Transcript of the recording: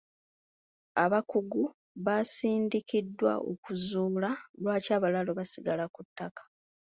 Abakungu baasindikibwa okuzuula lwaki abalaalo baasigala ku ttaka.